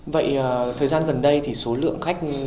vậy thời gian gần đây thì số lượng khách tham quan